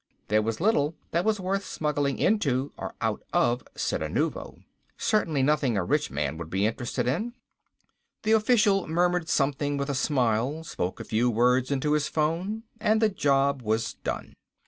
There was little that was worth smuggling into or out of Cittanuvo. Certainly nothing a rich man would be interested in. The official murmured something with a smile, spoke a few words into his phone, and the job was done.